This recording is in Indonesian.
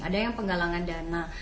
ada yang penggalangan dana